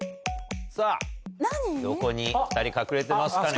さぁどこに２人隠れてますかね？